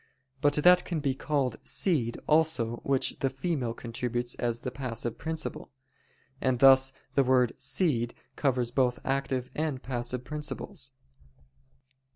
But that can be called seed also which the female contributes as the passive principle. And thus the word "seed" covers both active and passive principles.